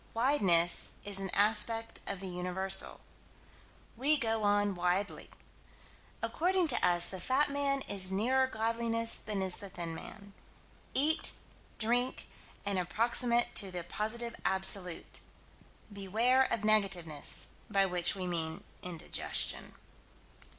Wideness is an aspect of the Universal. We go on widely. According to us the fat man is nearer godliness than is the thin man. Eat, drink, and approximate to the Positive Absolute. Beware of negativeness, by which we mean indigestion.